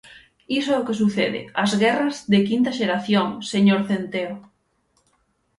Iso é o que sucede: as guerras de quinta xeración, señor Centeo.